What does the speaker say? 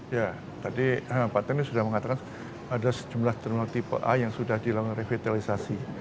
ya tadi pak teni sudah mengatakan ada sejumlah terminal tipe a yang sudah dilakukan revitalisasi